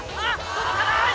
届かない！